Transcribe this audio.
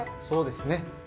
そうですね。